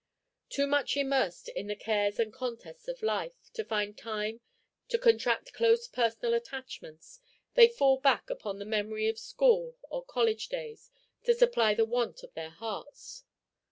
Too much immersed in the cares and contests of life to find time to contract close personal attachments, they fall back upon the memory of school or college days to supply the want of their hearts.